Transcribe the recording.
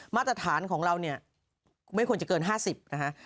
มาตรฐานของเราไม่ควรจะเกิน๕๐นะครับ